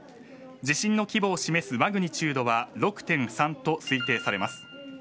地震の規模を示すマグニチュードは６．３と推定されます。